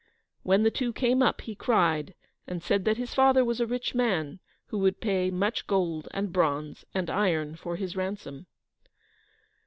When the two came up, he cried, and said that his father was a rich man, who would pay much gold, and bronze, and iron for his ransom.